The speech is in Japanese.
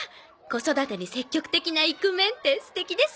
子育てに積極的なイクメンって素敵ですね！